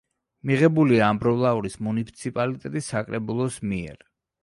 მიღებულია ამბროლაურის მუნიციპალიტეტის საკრებულოს მიერ.